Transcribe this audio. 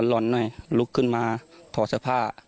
ร้อนหน่อยก็ลุกขึ้นมาถอดสะผ้า